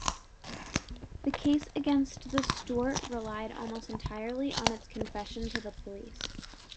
The case against Stuart relied almost entirely on his confession to the police.